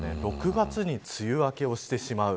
６月に梅雨明けをしてしまう。